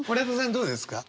どうですか？